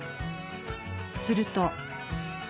すると。